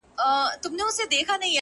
• نوره به دي زه له ياده وباسم ـ